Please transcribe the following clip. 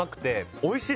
おいしい！